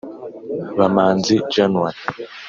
Bamanzi January